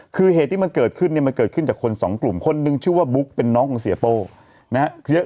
คือเหตุที่มันเกิดขึ้นเนี่ยมันเกิดขึ้นจากคนสองกลุ่มคนนึงชื่อว่าบุ๊กเป็นน้องของเสียโป้นะฮะ